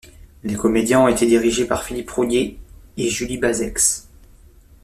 Les comédiens ont été dirigés par Philippe Roullier et Julie Basecqz.